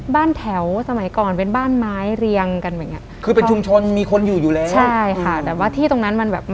บ้านแถวสมัยก่อนเป็นบ้านไม้เรียงกัน